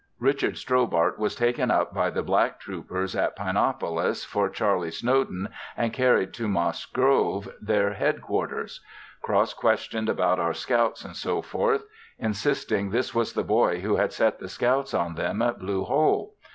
Richard Strobhart was taken up by the black troopers in Pinopolis for Charlie Snowden and carried to Moss Grove their headquarters; cross questioned about our scouts &c. insisting this was the boy who had set the scouts on them at Blue Hole.